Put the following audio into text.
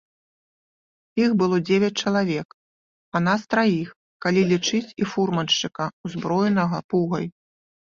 Іх было дзевяць чалавек, а нас траіх, калі лічыць і фурманшчыка, узброенага пугай.